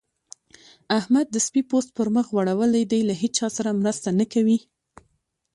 احمد د سپي پوست پر مخ غوړول دی؛ له هيچا سره مرسته نه کوي.